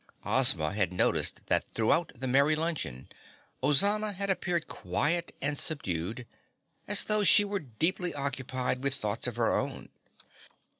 Ozma had noticed that throughout the merry luncheon, Ozana had appeared quiet and subdued, as though she were deeply occupied with thoughts of her own.